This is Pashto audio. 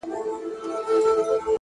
د سترگو اوښکي دي خوړلي گراني ـ